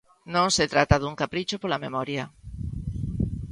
Non se trata dun capricho pola memoria.